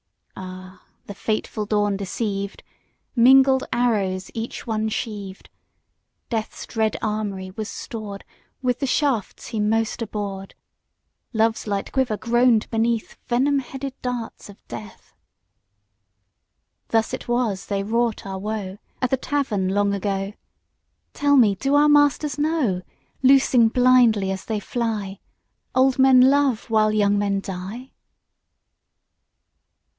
Ah, the fateful dawn deceived! Mingled arrows each one sheaved; Death's dread armoury was stored With the shafts he most abhorred; Love's light quiver groaned beneath Venom headed darts of Death. Thus it was they wrought our woe At the Tavern long ago. Tell me, do our masters know, Loosing blindly as they fly, Old men love while young men die?